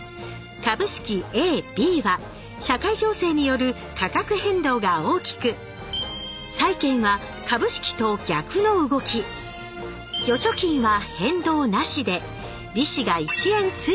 株式ＡＢは社会情勢による価格変動が大きく債券は株式と逆の動き預貯金は変動なしで利子が１円ついただけ。